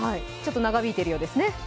長引いてるようですね。